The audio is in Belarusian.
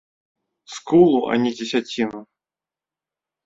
Скулу, а не дзесяціну!